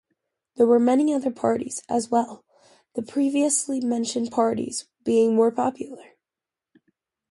There are many other parties as well, the previously mentioned parties being more popular.